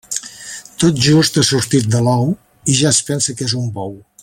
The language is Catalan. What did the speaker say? Tot just ha sortit de l'ou, i ja es pensa que és un bou.